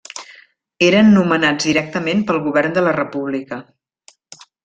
Eren nomenats directament pel govern de la República.